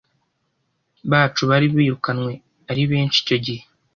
bacu bari birukanywe ari benshi icyo gihe,